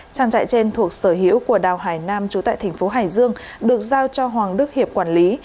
trang trại trên thuộc sở hữu của đào hải nam trú tại thành phố hải dương được giao cho hoàng đức hiệp quản lý